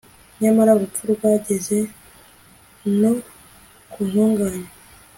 nyamara urupfu rwageze no ku ntungane